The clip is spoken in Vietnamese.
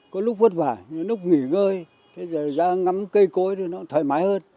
có lúc vất vả lúc nghỉ ngơi thế giờ ra ngắm cây cối thì nó thoải mái hơn